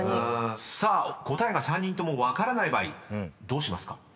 ［さあ答えが３人とも分からない場合どうしますか？］